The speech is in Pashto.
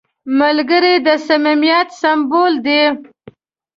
ملګری د صمیمیت سمبول دی